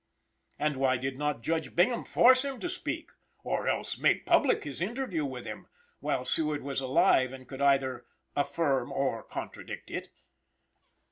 And why did not Judge Bingham force him to speak, or else make public his interview with him, while Seward was alive and could either affirm or contradict it?